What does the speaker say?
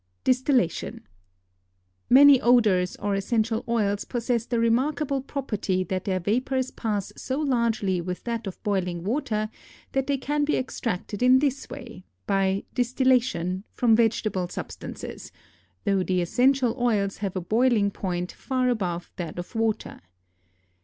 DISTILLATION. Many odors or essential oils possess the remarkable property that their vapors pass so largely with that of boiling water that they can be extracted in this way (by "distillation") from vegetable substances, though the essential oils have a boiling point far above that of water.